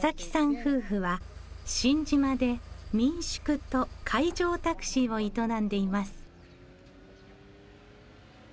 夫婦は新島で民宿と海上タクシーを営んでいます。